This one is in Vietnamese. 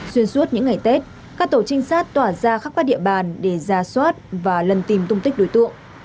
xuyên suốt những ngày tết các tổ trinh sát tỏa ra khắp các địa bàn để ra soát và lần tìm tung tích đối tượng